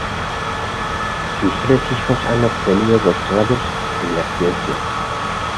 Sus tres hijos han obtenido doctorados en las ciencias.